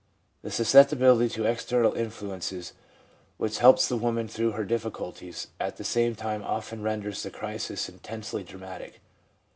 The susceptibility to external influences which helps the woman through her difficulties, at the same time often renders the crisis intensely dramatic.